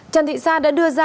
trần thị sa đã đưa ra